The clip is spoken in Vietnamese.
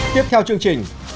tiếp theo chương trình